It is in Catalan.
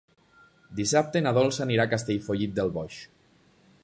Dissabte na Dolça anirà a Castellfollit del Boix.